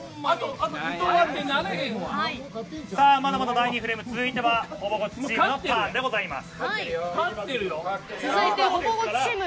まだまだ第２フレーム続いてはほぼごっつチームのターンです。